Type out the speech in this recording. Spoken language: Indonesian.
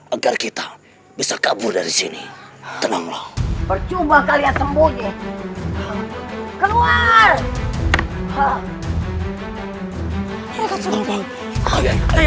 agar kita bisa kabur dari sini tenanglah percoba kalian sembunyi keluar hai hai